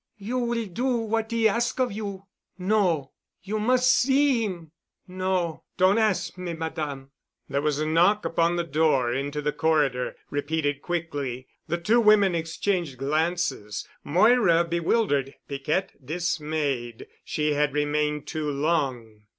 "You will do what 'e ask of you." "No." "You mus' see 'im." "No. Don't ask me, Madame——" There was a knock upon the door into the corridor—repeated quickly. The two women exchanged glances, Moira bewildered, Piquette dismayed. She had remained too long.